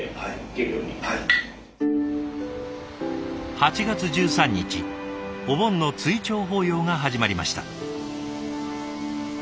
８月１３日お盆の追弔法要が始まりました。